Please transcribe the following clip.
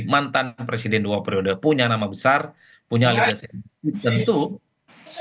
mantan presiden dua periode punya nama besar punya liga esensi